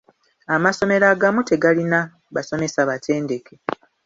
Amasomero agamu tegalina basomesa batendeke.